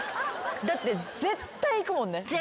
だって絶対行くもんね？